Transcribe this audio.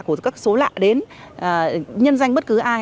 của các số lạ đến nhân danh bất cứ ai